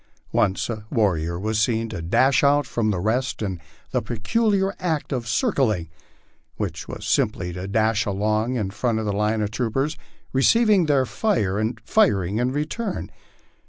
Once a warrior was seen to dash out from the rest in the peculiar act of " circling," which was simply to dash along in front of the line of troopers, receiving their fire and firing in return.